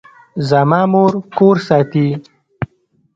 زما مور کور ساتي